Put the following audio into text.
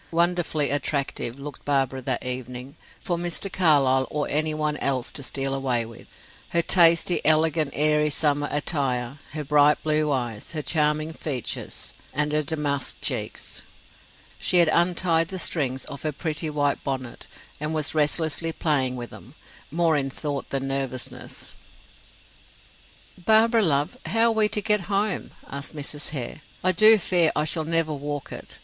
Wonderfully attractive looked Barbara that evening, for Mr. Carlyle or any one else to steal away with. Her tasty, elegant airy summer attire, her bright blue eyes, her charming features, and her damask cheeks! She had untied the strings of her pretty white bonnet, and was restlessly playing with them, more in thought than nervousness. "Barbara, love, how are we to get home?" asked Mrs. Hare. "I do fear I shall never walk it.